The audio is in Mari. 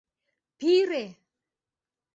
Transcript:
Пире!